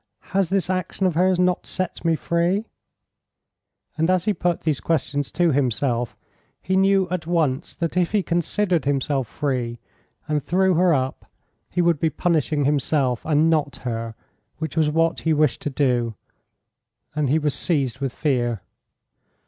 Has this action of hers not set me free?" And as he put these questions to himself he knew at once that if he considered himself free, and threw her up, he would be punishing himself, and not her, which was what he wished to do, and he was seized with fear.